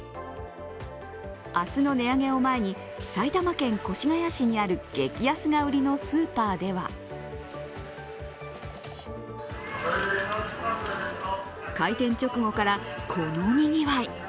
明日の値上げを前に埼玉県越谷市にある激安が売りのスーパーでは開店直後から、このにぎわい。